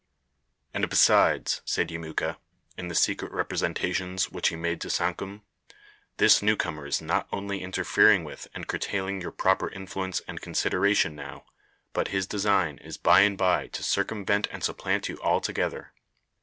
"And besides," said Yemuka, in the secret representations which he made to Sankum, "this new comer is not only interfering with and curtailing your proper influence and consideration now, but his design is by and by to circumvent and supplant you altogether.